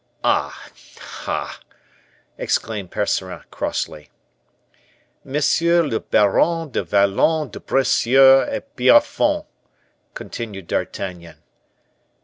"Ah! ah!" exclaimed Percerin, crossly. "M. le Baron du Vallon de Bracieux de Pierrefonds," continued D'Artagnan.